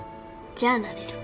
じゃあなれるか。